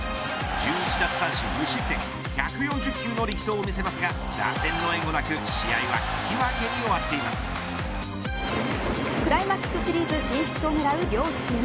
１１奪三振無失点１４０キロの力投を見せますが打線の援護なく、試合はクライマックスシリーズ進出を狙う両チーム。